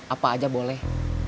apa aja boleh